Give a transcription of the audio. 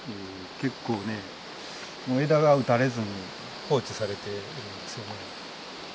結構ね枝が打たれずに放置されているんですよね。